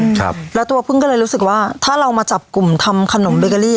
ครับแล้วตัวพึ่งก็เลยรู้สึกว่าถ้าเรามาจับกลุ่มทำขนมเบเกอรี่